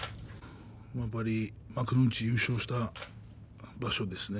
やっぱり幕内で優勝した場所ですね。